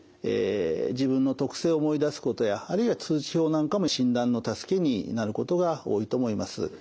自分の特性を思い出すことやあるいは通知表なんかも診断の助けになることが多いと思います。